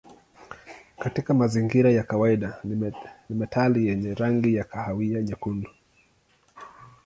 Katika mazingira ya kawaida ni metali yenye rangi ya kahawia nyekundu.